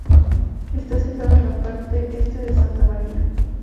Está situado en la parte este de Santa Maria.